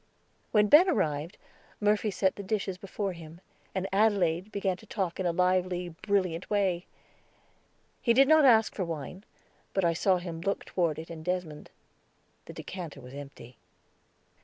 When Ben arrived, Murphy set the dishes before him, and Adelaide began to talk in a lively, brilliant way. He did not ask for wine, but I saw him look toward it and Desmond. The decanter was empty.